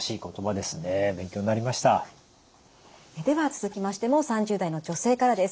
では続きましても３０代の女性からです。